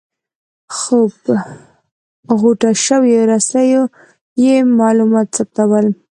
خو پر غوټه شویو رسیو به یې معلومات ثبتول.